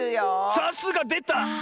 さすがでた！